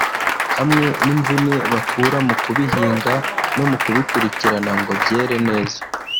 hamwe n’imvune bakura mu kubihinga no mu kubikurikirana ngo byere neza